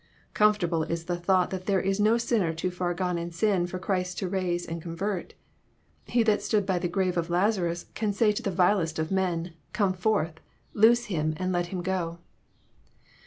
— Comfortable is the thought that there is no sinner too far gone in sin for Christ to raise and convert. He that stood by the grave of Lazarus can say to the vilest of men, ^^ Come forth : loose him, and let him go."